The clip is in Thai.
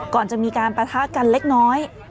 ก่อนจะมีการปะทะกันเล็กน้อย